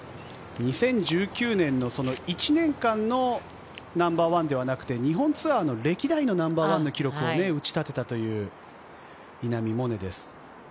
２０１９年の１年間のナンバーワンではなくて、日本ツアーの歴代ナンバーワンの記録を打ち立てた稲見萌寧です。